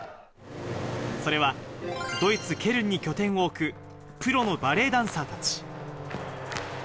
それはドイツ・ケルンに拠点を置く、プロのバレエダンサーたち。